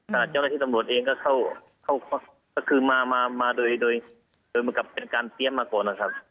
แต่แนวนานที่สำรวจเองเข้ามาว่างว่าเป็นการเตรียมมาก่อนนะครับ